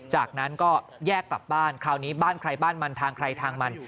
จากนั้นก็แยกกลับบ้านคราวนี้บ้านใครบ้านมันทางใครทางมัน